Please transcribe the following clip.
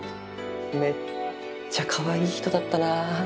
めっちゃかわいい人だったな。